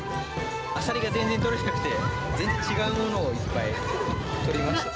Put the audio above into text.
アサリが全然取れなくて、全然違うものをいっぱい取りました。